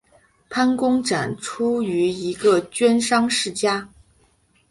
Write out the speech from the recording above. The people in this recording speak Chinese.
潘公展生于一个绢商家庭。